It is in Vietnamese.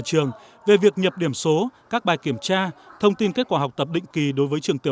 trường về việc nhập điểm số các bài kiểm tra thông tin kết quả học tập định kỳ đối với trường tiểu